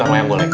kalau yang golek